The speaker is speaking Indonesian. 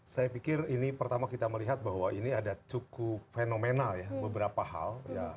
saya pikir ini pertama kita melihat bahwa ini ada cukup fenomenal ya beberapa hal